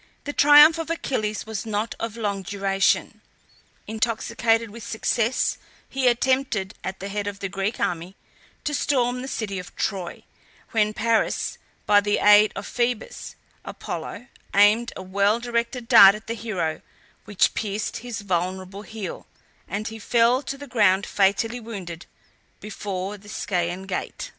The triumph of Achilles was not of long duration. Intoxicated with success he attempted, at the head of the Greek army, to storm the city of Troy, when Paris, by the aid of Phoebus Apollo, aimed a well directed dart at the hero, which pierced his vulnerable heel, and he fell to the ground fatally wounded before the Scaean gate.